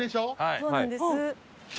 そうなんです。